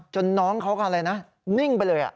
น้องเขาก็อะไรนะนิ่งไปเลย